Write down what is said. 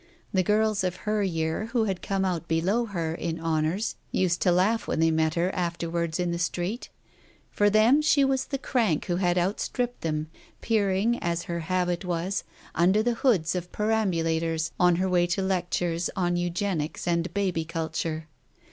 The girls of her year who had come out below her in Honours used to laugh when they met her afterwards in the street ; for them she was the crank who had outstripped them, peering as her habit was, under the hoods of perambulators, on her way to lectures on Eugenics and Baby Culture.